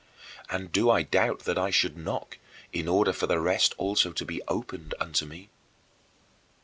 And do I doubt that I should 'knock' in order for the rest also to be 'opened' unto me?